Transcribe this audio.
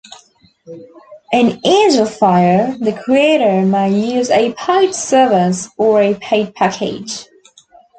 In Angelfire, the creator may use a paid service, or a paid package.